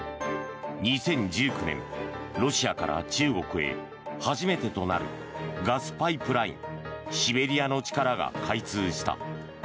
２０１９年、ロシアから中国へ初めてとなるガスパイプラインシベリアの力が開通した。